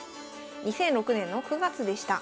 ２００６年の９月でした。